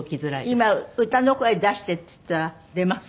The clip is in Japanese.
今歌の声出してって言ったら出ます？